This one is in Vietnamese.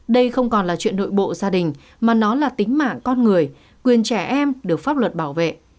đây không còn là chuyện nội bộ gia đình mà nó là tính mạng con người quyền trẻ em được pháp luật bảo vệ